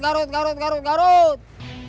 garut garut garut garut